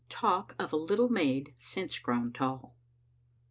TALK OF A UTTLE MAID SINCE GROWN TALL.